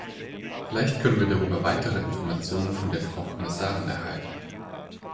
Vielleicht können wir darüber weitere Informationen von der Frau Kommissarin erhalten.